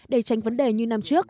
để tránh vấn đề như năm trước